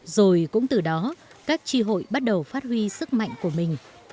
rồi cũng từ đó các tri hội bắt đầu phát huy sức mạnh của mình